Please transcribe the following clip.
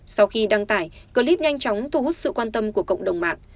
sau khi đăng tải clip nhanh chóng thu hút sự quan tâm của cộng đồng mạng